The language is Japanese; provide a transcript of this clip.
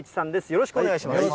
よろしくお願いします。